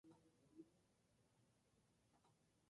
El emperador logra la ocupación de Mantua.